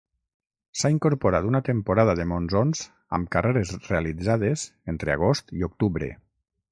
S'ha incorporat una temporada de monsons amb carreres realitzades entre agost i octubre.